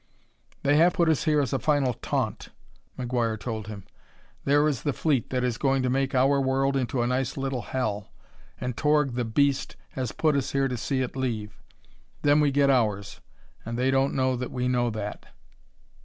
"They have put us here as a final taunt," McGuire told him. "There is the fleet that is going to make our world into a nice little hell, and Torg, the beast! has put us here to see it leave. Then we get ours, and they don't know that we know that."